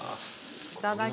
いただきます。